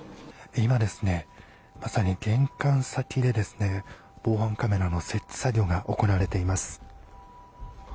今、まさに玄関先で防犯カメラの設置作業が行われています。